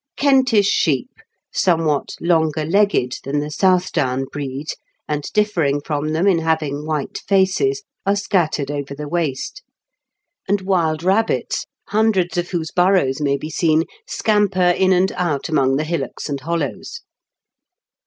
Kentish sheep, somewhat longer legged than the South Down breed, and difiering from them in having white faces, aj?e scattered over the waste; and wild rabbits, hundreds of whose burrows may be seen, scamper in and out among the hillocks and hollows.